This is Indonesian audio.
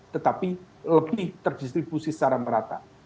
tetapi lebih terdistribusi secara merata